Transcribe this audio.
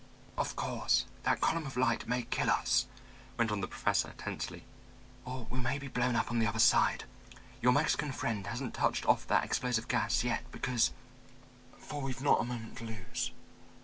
"Of course that column of light may kill us," went on the Professor tensely. "Or we may be blown up on the other side. Your Mexican friend hasn't touched off that explosive gas yet, because But we've not a moment to lose.